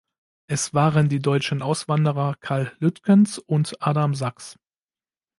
Es waren die deutschen Auswanderer Karl Lütkens und Adam Sachs.